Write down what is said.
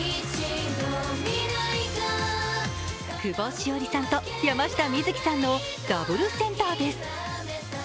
久保史緒里さんと山下美月さんのダブルセンターです。